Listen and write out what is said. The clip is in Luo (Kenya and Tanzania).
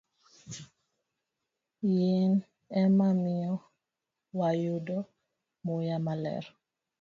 Yien ema miyo wayudo muya maler.